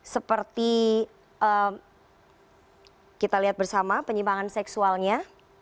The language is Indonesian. seperti kita lihat bersama penyimpangan seksualnya